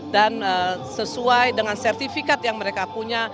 dan sesuai dengan sertifikat yang mereka punya